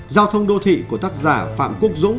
giao thông đô thị của tác giả phạm quốc dũng